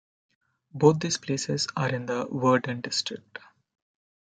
Both these places are in the Verden district.